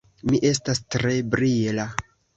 Mi estas tre brila.